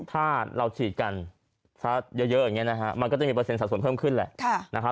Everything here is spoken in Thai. ถ้าเราฉีดกันเยอะอย่างนี้มันก็จะมีเปอร์เซ็นต์สัดส่วนเพิ่มขึ้นแหละ